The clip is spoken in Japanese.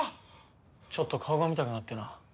ちょっと顔が見たくなってな。